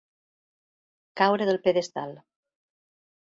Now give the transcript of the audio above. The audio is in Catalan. Caure del pedestal.